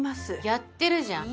やってるじゃん。